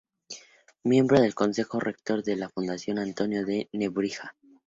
Miembro del Consejo Rector de la Fundación Antonio de Nebrija.